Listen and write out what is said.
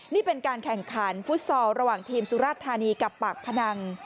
นี่เป็นการแข่งขันฟุตซอลระหว่างทีมสุรธานีกับปากพนัง